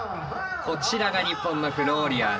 こちらが日本のフローリアーズ。